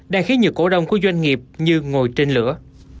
đang khiến nhiều cổ đông của doanh nghiệp như ngồi trên lửa